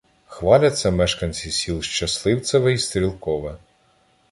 Хваляться мешканці сіл Щасливцеве й Стрілкове